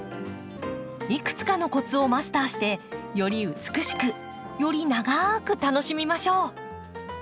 いくつかのコツをマスターしてより美しくより長く楽しみましょう。